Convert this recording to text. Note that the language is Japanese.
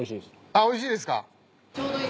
あおいしいですか。